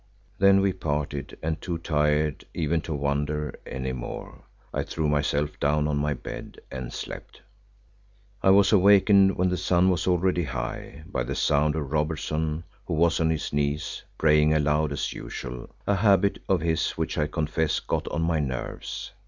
Then we parted, and too tired even to wonder any more, I threw myself down on my bed and slept. I was awakened when the sun was already high, by the sound of Robertson, who was on his knees, praying aloud as usual, a habit of his which I confess got on my nerves.